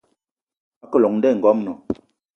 A ke llong nda i ngoamna.